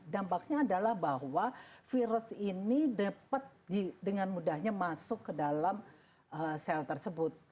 dampaknya adalah bahwa virus ini dapat dengan mudahnya masuk ke dalam sel tersebut